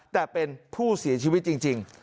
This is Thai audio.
แต่เป็นผู้เสียชีวิตจริง